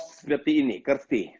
seperti ini kerci